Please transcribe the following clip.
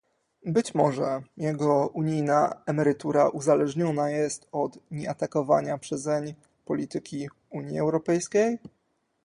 Być może jego unijna emerytura uzależniona jest od nieatakowania przezeń polityki Unii Europejskiej?